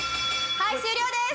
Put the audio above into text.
はい終了です！